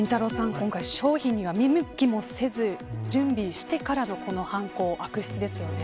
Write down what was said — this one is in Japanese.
今回、商品には見向きもせず準備してからの犯行悪質ですよね。